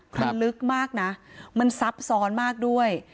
มันลึกมากนะมันซับซ้อนมากด้วย